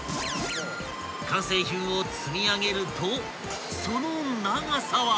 ［完成品を積み上げるとその長さは］